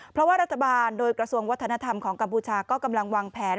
เพราะว่ารัฐบาลโดยกระทรวงวัฒนธรรมของกัมพูชาก็กำลังวางแผน